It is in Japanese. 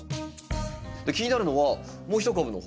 気になるのはもう一株の方。